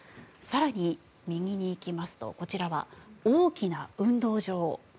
更に、右に行きますとこちらは大きな運動場。